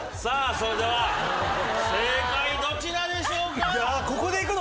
それでは正解どちらでしょうか？